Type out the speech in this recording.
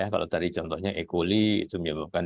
kalau tadi contohnya e coli itu menyebabkan